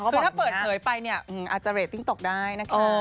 เผยไปเนี่ยอาจจะเรตติ้งตกได้นะคะ